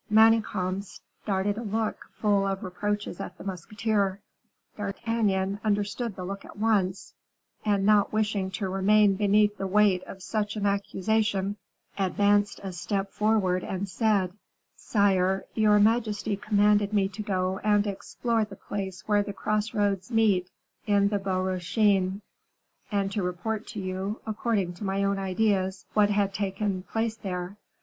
Manicamp darted a look full of reproaches at the musketeer. D'Artagnan understood the look at once, and not wishing to remain beneath the weight of such an accusation, advanced a step forward, and said: "Sire, your majesty commanded me to go and explore the place where the cross roads meet in the Bois Rochin, and to report to you, according to my own ideas, what had taken place there.